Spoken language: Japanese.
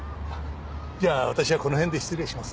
じゃあ私はこの辺で失礼します。